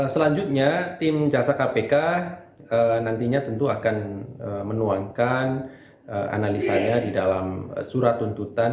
selanjutnya tim jasa kpk nantinya tentu akan menuangkan analisanya di dalam surat tuntutan